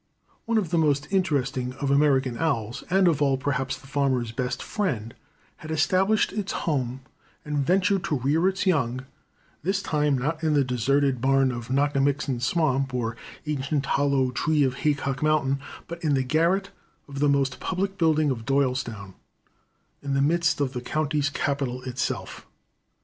One of the most interesting of American owls, and of all, perhaps, the farmer's best friend, had established its home and ventured to rear its young, this time not in some deserted barn of Nockamixon swamp, or ancient hollow tree of Haycock mountain, but in the garret of the most public building of Doylestown, in the midst of the county's capital itself.